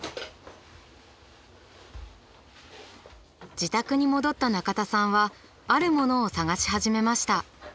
自宅に戻った中田さんはあるものを探し始めました。